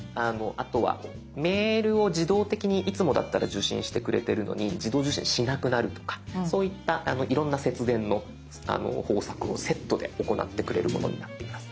あとはメールを自動的にいつもだったら受信してくれてるのに自動受信しなくなるとかそういったいろんな節電の方策をセットで行ってくれるものになっています。